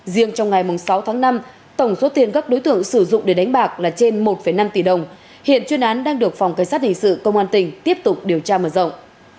riêng trong ngày sáu tháng năm tổng số tiền các đối tượng sử dụng để đánh bạc là trên một năm tỷ đồng hiện chuyên án đang được phòng cảnh sát hình sự công an tỉnh tiếp tục điều tra mở rộng